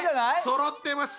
そろってます